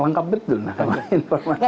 langkap betul nanda informasinya